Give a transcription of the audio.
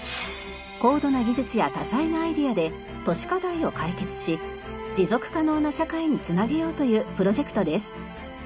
高度な技術や多彩なアイデアで都市課題を解決し持続可能な社会につなげようというプロジェクトです。